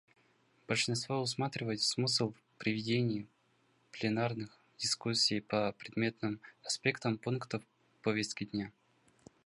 Большинство усматривают смысл в проведении пленарных дискуссий по предметным аспектам пунктов повестки дня.